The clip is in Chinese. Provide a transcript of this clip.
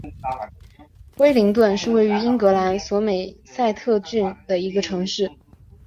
威灵顿是位于英格兰索美塞特郡的一个城市。